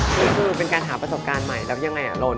คือเป็นการหาประสบการณ์ใหม่แล้วยังไงลน